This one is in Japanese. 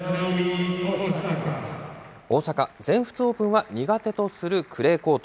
大坂、全仏オープンは苦手とするクレーコート。